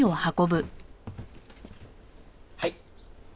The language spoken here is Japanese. はい。